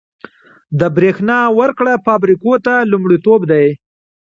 د بریښنا ورکړه فابریکو ته لومړیتوب دی